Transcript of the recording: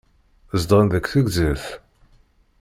Zedɣen deg Tegzirt?